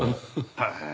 へえ！